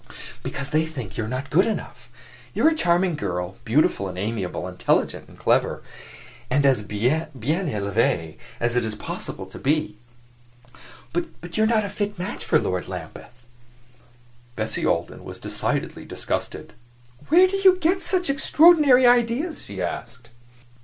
"Because they think you are not good enough. You are a charming girl, beautiful and amiable, intelligent and clever, and as bien elevee as it is possible to be; but you are not a fit match for Lord Lambeth." Bessie Alden was decidedly disgusted. "Where do you get such extraordinary ideas?" she asked.